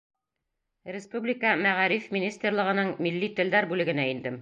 Республика Мәғариф министрлығының милли телдәр бүлегенә индем.